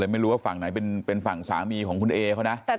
แต่ไม่รู้ว่าฝั่งไหนเป็นฝั่งสามีของคุณเอเขานะ